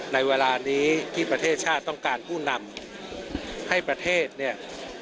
ในเวลานี้ที่ประเทศชาติต้องการผู้นำให้ประเทศเนี่ย